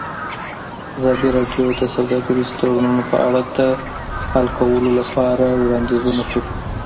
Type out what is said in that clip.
ازادي راډیو د سوداګریز تړونونه په اړه د حل کولو لپاره وړاندیزونه کړي.